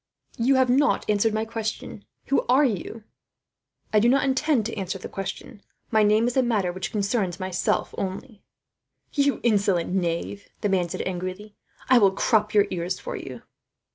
"You have not answered my question. Who are you?" "I do not intend to answer the question. My name is a matter which concerns myself only." "You insolent young knave," the man said angrily, "I will crop your ears for you."